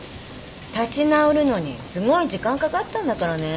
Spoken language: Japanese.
立ち直るのにすごい時間かかったんだからね